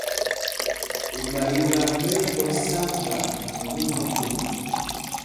Iɓayiká ɓɛ́ ɛ́ tɔ sá gba ŋgumá pum.